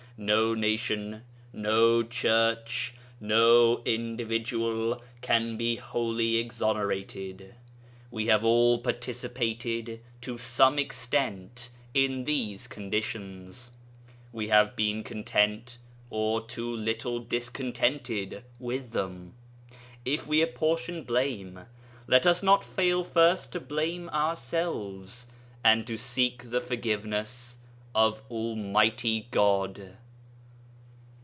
No nation, no Church, no individual can be wholly exonerated. We have all participated to some extent in these conditions. We have been content, or too little discontented, with them. If we apportion blame, let us not fail first to blame ourselves, and to seek the forgiveness of Almighty God.